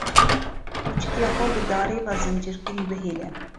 Kûçikê xwe bi darê ve zincîrkirî bihêle.